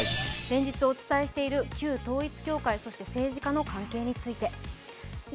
連日お伝えしている旧統一教会そして政治家の関係について。